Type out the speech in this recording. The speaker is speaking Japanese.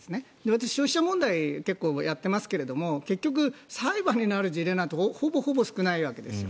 私、消費者問題を結構やっていますが結局、裁判になる事例なんてほぼほぼ少ないわけです。